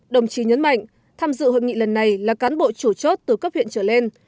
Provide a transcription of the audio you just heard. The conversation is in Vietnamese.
đồng chí nhấn mạnh tham dự hội nghị lần này là cán bộ chủ chốt từ cấp huyện trở lên